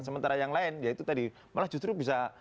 sementara yang lain kita tadi malah justru bisa